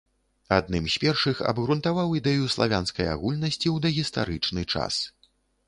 Адным з першых абгрунтаваў ідэю славянскай агульнасці ў дагістарычны час.